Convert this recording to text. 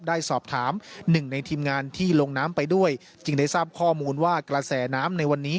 ได้สอบถามหนึ่งในทีมงานที่ลงน้ำไปด้วยจึงได้ทราบข้อมูลว่ากระแสน้ำในวันนี้